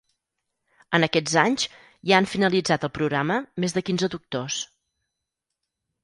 En aquests anys, ja han finalitzat el programa més de quinze doctors.